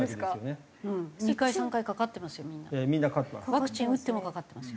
ワクチン打ってもかかってますよ。